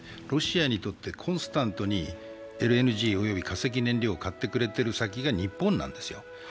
ロシアにとってコンスタントにＬＮＧ、及び化石燃料を買ってくれてる先が日本なんですよ。